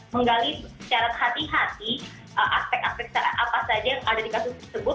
menggali secara hati hati aspek aspek apa saja yang ada di kasus tersebut